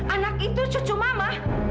anak itu cucu mama